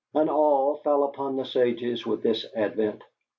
An awe fell upon the sages with this advent.